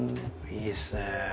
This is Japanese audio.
いいっすね。